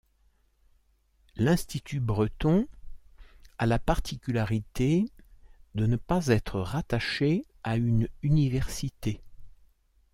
L'institut breton a la particularité de ne pas être rattaché à une université.